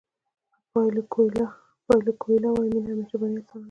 پایلو کویلو وایي مینه او مهرباني اسانه ده.